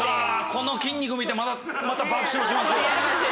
この筋肉見てまた爆笑しますよ。